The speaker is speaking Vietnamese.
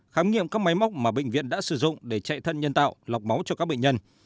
khám nghiệm các máy móc mà bệnh viện đã sử dụng để chạy thận nhân tạo lọc máu cho các bệnh nhân